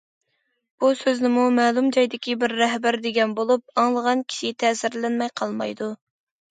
بۇ سۆزنىمۇ مەلۇم جايدىكى بىر رەھبەر دېگەن بولۇپ، ئاڭلىغان كىشى تەسىرلەنمەي قالمايدۇ.